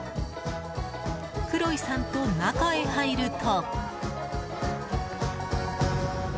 クロイさんと中へ入ると。